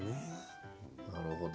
なるほど。